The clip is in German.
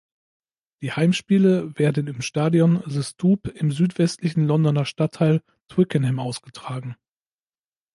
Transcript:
Die Heimspiele werden im Stadion The Stoop im südwestlichen Londoner Stadtteil Twickenham ausgetragen.